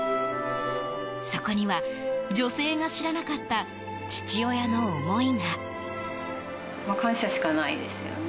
そこには、女性が知らなかった父親の思いが。